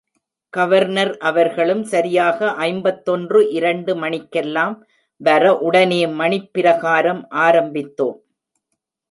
Governor அவர்களும் சரியாக ஐம்பத்தொன்று இரண்டு மணிக்கெல்லாம் வர, உடனே மணிப்பிரகாரம் ஆரம்பித்தோம்.